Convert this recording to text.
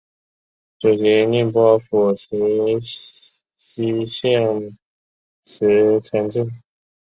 祖籍宁波府慈溪县慈城镇。